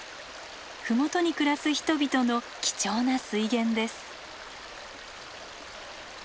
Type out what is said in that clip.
麓に暮らす人々の貴重な水源です。